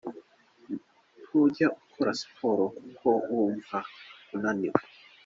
Ntujya ukora siporo kuko wumva unaniwe.